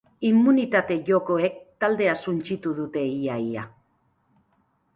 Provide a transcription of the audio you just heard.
Immunitate jokoek taldea suntsitu dute ia ia.